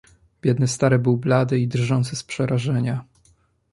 "Biedny stary był blady i drżący z przerażenia."